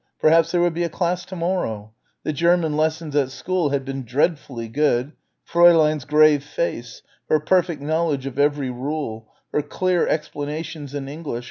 Perhaps there would be a class to morrow.... The German lessons at school had been dreadfully good.... Fräulein's grave face ... her perfect knowledge of every rule ... her clear explanations in English